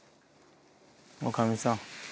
おかみさん。